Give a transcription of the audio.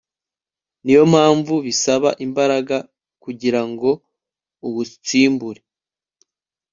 niyo mpamvu bisaba imbaraga kugirango uwutsimbure